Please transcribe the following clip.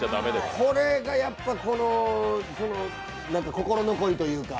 これがやっぱり、心残りというか。